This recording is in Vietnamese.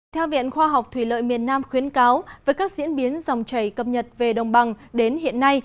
theo viện khoa học thủy lợi miền nam khuyến cáo với các diễn biến dòng chảy cập nhật về đồng bằng đến hiện nay